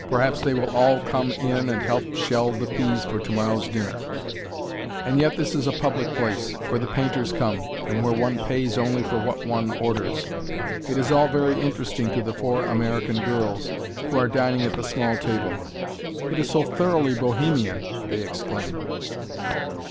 Perhaps they will all come in and help shell the peas for to morrow's dinner. And yet this is a public place, where the painters come, and where one pays only for what one orders. It is all very interesting to the four American girls, who are dining at the small table. "It is so thoroughly bohemian!" they exclaim.